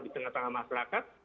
di tengah tengah masyarakat